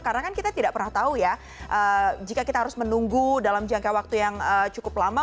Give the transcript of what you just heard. karena kan kita tidak pernah tahu ya jika kita harus menunggu dalam jangka waktu yang cukup lama